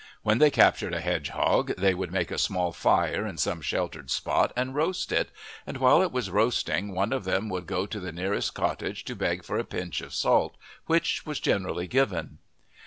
When they captured a hedgehog they would make a small fire in some sheltered spot and roast it, and while it was roasting one of them would go to the nearest cottage to beg for a pinch of salt, which was generally given.